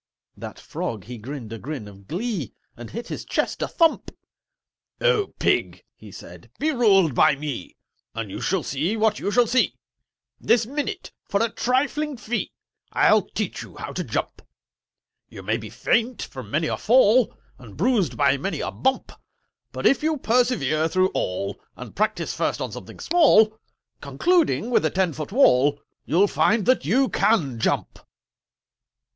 That Frog he grinned a grin of glee, And hit his chest a thump. "O Pig," he said, "be ruled by me, And you shall see what you shall see. This minute, for a trifling fee, I'll teach you how to jump! "You may be faint from many a fall, And bruised by many a bump: But, if you persevere through all, And practice first on something small, Concluding with a ten foot wall, You'll find that you can jump!"